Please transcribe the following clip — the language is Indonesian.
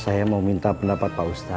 saya mau minta pendapat pak ustadz